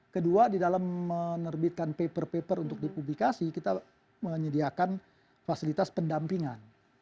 kedua di dalam menerbitkan paper paper untuk dipublikasi kita menyediakan fasilitas pendampingan